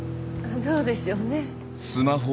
どうでしょうね。